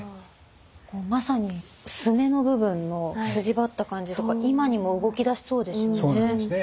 まさにすねの部分の筋張った感じとか今にも動きだしそうですよね。